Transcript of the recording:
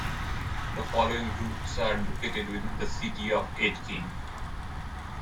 The following routes are located within the city of Aitkin.